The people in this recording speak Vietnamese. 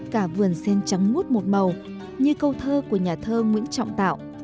cả vườn sen trắng mút một màu như câu thơ của nhà thơ nguyễn trọng tạo